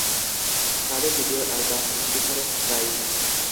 তাদের দ্বিতীয় album, different style!